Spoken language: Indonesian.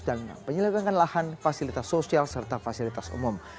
dan penyelenggangan lahan fasilitas sosial serta fasilitas umum